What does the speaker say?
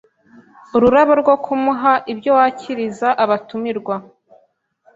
ururabo rwo kumuha, ibyo wakiriza abatumirwa,